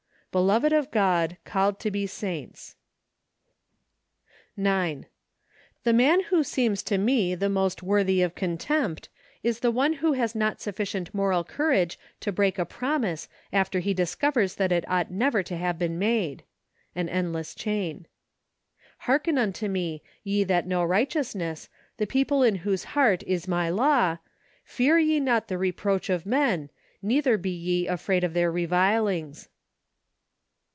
" Beloved of God , called to be saints" 30 MARCH. 9. The man who seems to me the most worthy of contempt, is the one who has not sufficient moral courage to break n promise after he discovers that it ought never to have been made. An Endless Chain. " Hearken unto me, ye that knoto righteousness ,, the people in whose heart is my law; fear ye n the reproach of men, neither he ye afraid of their revilings